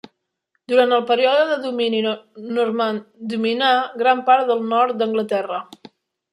Durant el període de domini normand dominà gran part del nord d'Anglaterra.